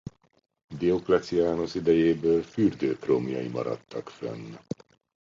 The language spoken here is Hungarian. Diocletianus idejéből fürdők romjai maradtak fenn.